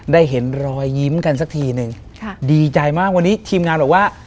ได้เห็นรอยยิ้มกันสักทีนึงค่ะดีใจมากวันนี้ทีมงานบอกว่า